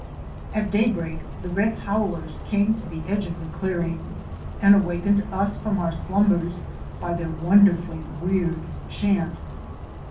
At daybreak the red howlers came to the edge of the clearing and awakened us from our slumbers by their wonder fully weird chant.